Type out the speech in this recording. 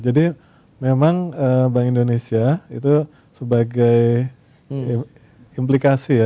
memang bank indonesia itu sebagai implikasi ya